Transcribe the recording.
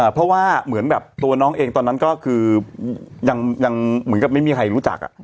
เพราะว่าเหมือนแบบตัวน้องเองตอนนั้นก็คือยังเหมือนกับไม่มีใครรู้จัก